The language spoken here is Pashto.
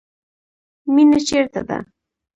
مینه چیرته ده؟